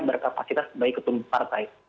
berkapasitas baik ketumbuh partai